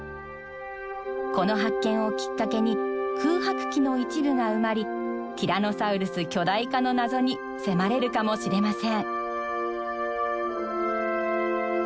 この発見をきっかけに空白期の一部が埋まりティラノサウルス巨大化の謎に迫れるかもしれません。